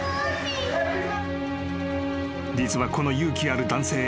［実はこの勇気ある男性。